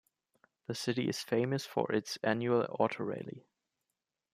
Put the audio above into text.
The city is famous for its annual autorally.